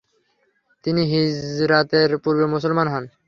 তিনি হিজরাতের পূর্বে মুসলমান হন।